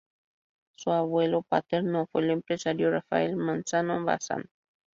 Su abuelo paterno fue el empresario Rafael Manzano Bazán.